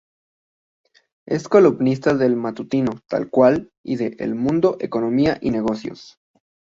Es columnista del matutino "Tal Cual" y de "El Mundo, economía y negocios".